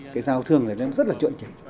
cái giao thương này nó rất là trượn trị